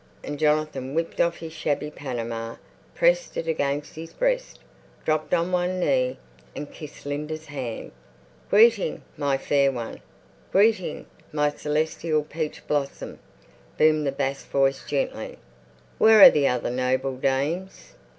And Jonathan whipped off his shabby panama, pressed it against his breast, dropped on one knee, and kissed Linda's hand. "Greeting, my Fair One! Greeting, my Celestial Peach Blossom!" boomed the bass voice gently. "Where are the other noble dames?"